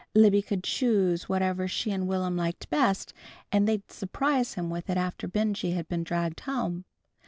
Libby could choose whatever she and Will'm liked best, and they'd surprise him with it after Benjy had been dragged home.